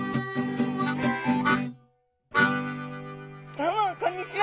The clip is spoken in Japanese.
どうもこんにちは。